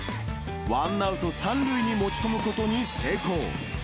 ワンアウト３塁に持ち込むことに成功。